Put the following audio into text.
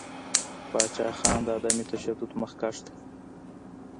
پاچاخان د عدم تشدد مخکښ دی.